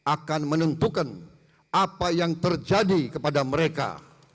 akan menentukan apa yang terjadi kepada mereka